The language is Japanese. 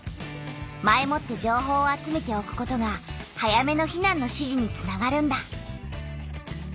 前もって情報を集めておくことが早めの避難の指示につながるんだ。